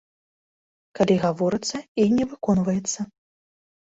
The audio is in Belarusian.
Калі гаворыцца і не выконваецца.